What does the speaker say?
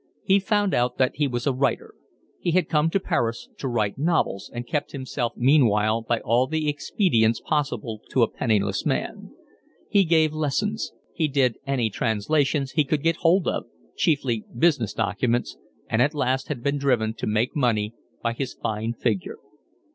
He found out that he was a writer. He had come to Paris to write novels and kept himself meanwhile by all the expedients possible to a penniless man; he gave lessons, he did any translations he could get hold of, chiefly business documents, and at last had been driven to make money by his fine figure.